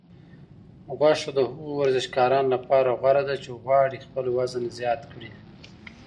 غوښه د هغو ورزشکارانو لپاره غوره ده چې غواړي خپل وزن زیات کړي.